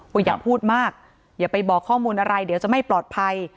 อย่าพูดมากอย่าไปบอกข้อมูลอะไรเดี๋ยวจะไม่ปลอดภัย